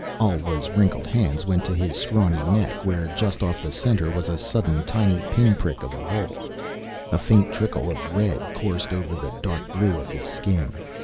Alwa's wrinkled hands went to his scrawny neck where, just off the center, was a sudden tiny pin prick of a hole. A faint trickle of red coursed over the dark blue of his skin.